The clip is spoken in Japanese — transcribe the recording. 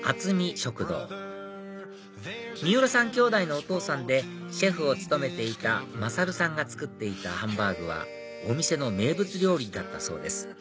食堂三浦さん兄弟のお父さんでシェフを務めていた優さんが作っていたハンバーグはお店の名物料理だったそうです